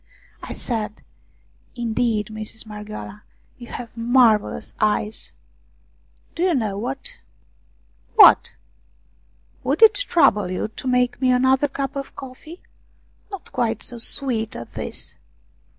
I said : "Indeed, Mistress Marghioala, you have mar vellous eyes ! Do you know what ?" What ?"" Would it trouble you to make me another cup of coffee, not quite so sweet as this